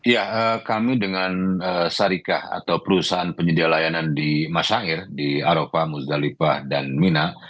ya kami dengan syarikah atau perusahaan penyedia layanan di masyair di arofah musdalifah dan mina